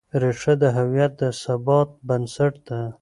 ریښه د هویت د ثبات بنسټ ده.